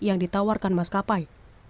yang ditawarkan mas kapai